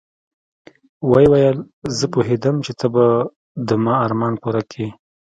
ويې ويل زه پوهېدم چې ته به د ما ارمان پوره کيې.